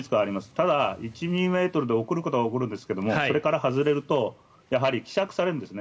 ただ、１２ｍで起こることは起こるんですがそれから外れるとやはり希釈されるんですね。